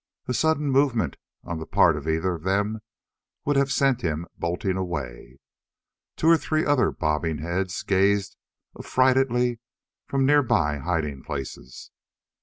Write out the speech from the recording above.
A sudden movement on the part of either of them would have sent him bolting away. Two or three other bobbing heads gazed affrightedly from nearby hiding places.